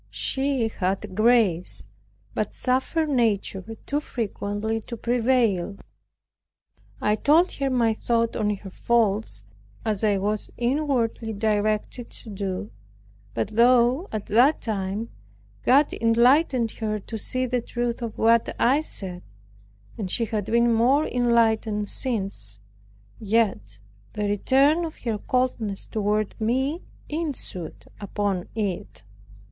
She had grace, but suffered nature too frequently to prevail. I told her my thought on her faults, as I was inwardly directed to do; but though, at that time, God enlightened her to see the truth of what I said, and she has been more enlightened since, yet the return of her coldness toward me ensued upon it.